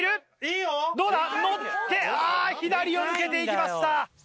あ左を抜けて行きました。